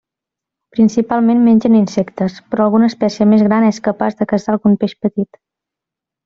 Principalment mengen insectes, però alguna espècie més gran és capaç de caçar algun peix petit.